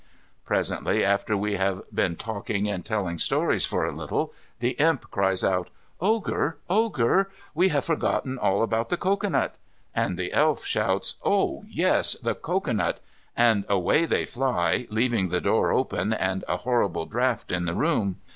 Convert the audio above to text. Presently, after we have been talking and telling stories for a little, the Imp cries out, "Ogre, Ogre, we have forgotten all about the cocoanut," and the Elf shouts, "Oh yes, the cocoanut," and away they fly, leaving the door open and a horrible draught in the room.